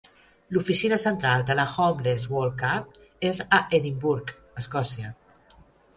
L'oficina central de la Homeless World Cup és a Edimburg, Escòcia.